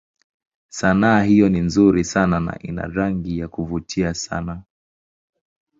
Sanaa hiyo ni nzuri sana na ina rangi za kuvutia sana.